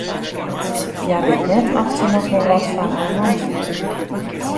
Hja wit net oft se noch wol wat foar har man fielt.